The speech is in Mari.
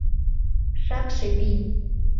Шакше пий!